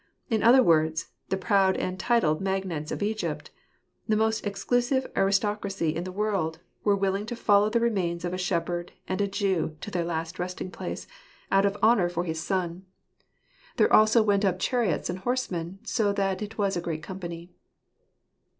In other words, the proud and titled magnates of Egypt, the most exclusive aristocracy in the world, were willing to follow the remains of a shepherd and a Jew to their last resting place, out of honour for his 31 Contrast. 181 son. " There also went up chariots and horsemen, so that it was a very great company."